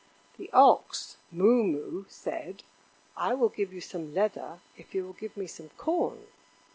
The ox, Moo moo, said: "I will give you some leather if you will give me some corn."